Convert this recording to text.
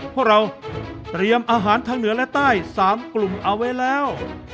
พวกเราเตรียมอาหารทางเหนือและใต้๓กลุ่มเอาไว้แล้ว